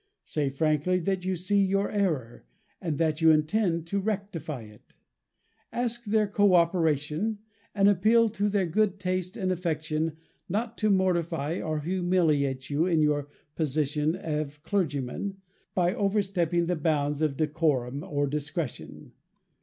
Say frankly that you see your error, and that you intend to rectify it. Ask their coöperation, and appeal to their good taste and affection not to mortify or humiliate you in your position of clergyman, by overstepping the bounds of decorum or discretion.